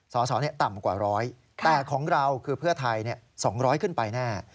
สสต่ำกว่าร้อยแต่ของเราคือเพื่อไทย๒๐๐ขึ้นไปแน่